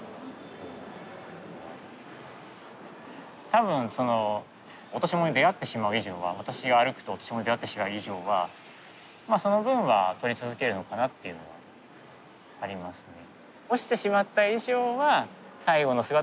多分そのオトシモノに出会ってしまう以上は私が歩くとオトシモノに出会ってしまう以上はまあその分は撮り続けるのかなっていうのはありますね。